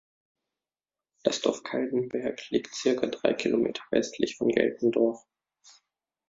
Das Dorf Kaltenberg liegt circa drei Kilometer westlich von Geltendorf.